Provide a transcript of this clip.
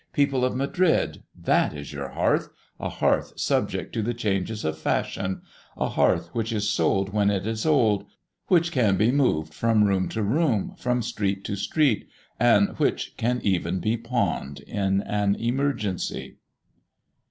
People of Madrid, that is your hearth, a hearth subject to the changes of fashion, a hearth which is sold when it is old, which can be moved from room to room, from street to street, and which can even be pawned in an emergency.